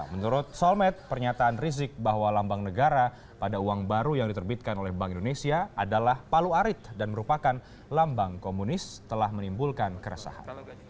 menurut solmed pernyataan rizik bahwa lambang negara pada uang baru yang diterbitkan oleh bank indonesia adalah palu arit dan merupakan lambang komunis telah menimbulkan keresahan